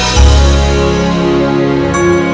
sampai jumpa lagi